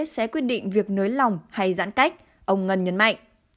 sẽ quyết định việc nới lỏng hay giãn cách ông ngân nhấn mạnh